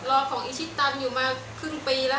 ของอีชิตันอยู่มาครึ่งปีแล้ว